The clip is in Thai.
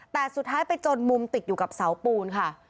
แต่สุดท้ายไปจนมุมติดอยู่กับเสาปูนค่ะ